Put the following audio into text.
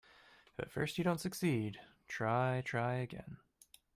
If at first you don't succeed, try, try again.